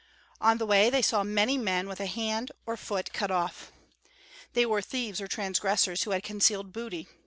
On the way they saw many men with a hand or foot cut off. They were thieves or transgressors who had concealed booty.